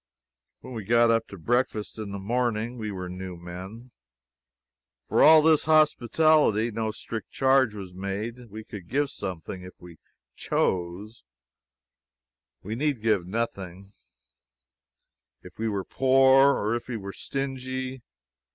When we got up to breakfast in the morning, we were new men. For all this hospitality no strict charge was made. We could give something if we chose; we need give nothing, if we were poor or if we were stingy.